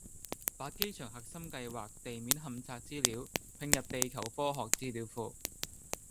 把機場核心計劃地面勘測資料併入地球科學資料庫